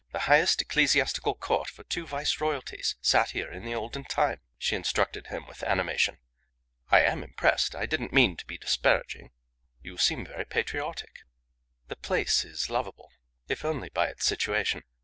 The highest ecclesiastical court for two viceroyalties, sat here in the olden time," she instructed him with animation. "I am impressed. I didn't mean to be disparaging. You seem very patriotic." "The place is lovable, if only by its situation.